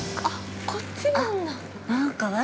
あっ、こっちなんだ。